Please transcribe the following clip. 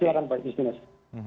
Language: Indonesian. silahkan pak istins